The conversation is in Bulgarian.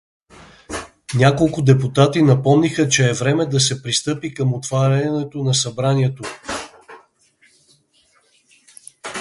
Няколко депутати напомниха, че е време да се пристъпи към отварянието на събранието.